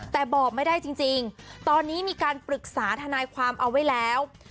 แต่บอกไม่ได้จริงตอนนี้มีการปรึกษาทนายความเอาไว้แล้ว